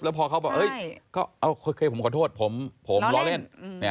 แล้วก็โพสต์แล้วพอเขาบอกโอเคผมขอโทษผมล้อเล่น